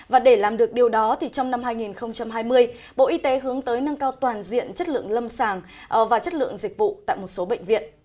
và để làm được điều đó trong năm hai nghìn hai mươi bộ y tế hướng tới nâng cao toàn diện chất lượng lâm sàng và chất lượng dịch vụ tại một số bệnh viện